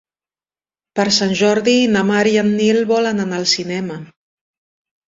Per Sant Jordi na Mar i en Nil volen anar al cinema.